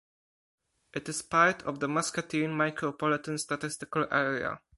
It is part of the Muscatine Micropolitan Statistical Area.